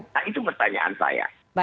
nah itu pertanyaan saya